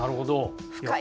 深い。